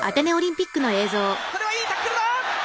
「これはいいタックルだ！